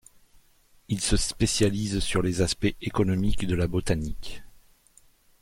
Il se spécialise sur les aspects économiques de la botanique.